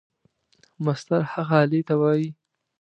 مسطر هغې آلې ته وایي.